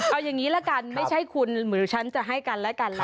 เอาอย่างนี้ละกันไม่ใช่คุณหรือฉันจะให้กันและกันล่ะ